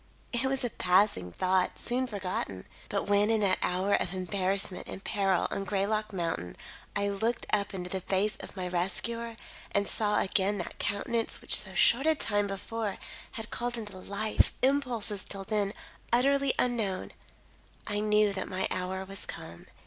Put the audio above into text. It was a passing thought, soon forgotten. But when in that hour of embarrassment and peril on Greylock Mountain, I looked up into the face of my rescuer and saw again that countenance which so short a time before had called into life impulses till then utterly unknown, I knew that my hour was come.